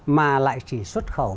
mà lại chỉ xuất khẩu